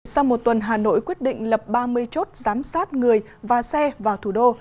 sau một tuần hà nội quyết định lập ba mươi chốt giám sát người và xe vào thủ đô